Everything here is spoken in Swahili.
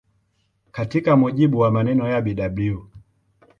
Katika mujibu wa maneno ya Bw.